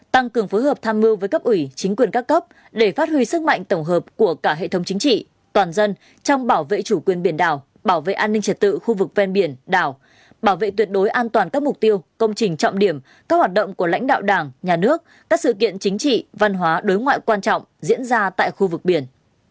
tăng cường phối hợp tham mưu với cấp ủy chính quyền các cấp để phát huy sức mạnh tổng hợp của cả hệ thống chính trị toàn dân trong bảo vệ chủ quyền biển đảo bảo vệ an ninh trật tự khu vực ven biển đảo bảo vệ tuyệt đối an toàn các mục tiêu công trình trọng điểm các hoạt động của lãnh đạo đảng nhà nước các sự kiện chính trị văn hóa đối ngoại quan trọng diễn ra tại khu vực biển